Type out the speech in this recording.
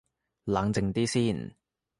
冷靜啲先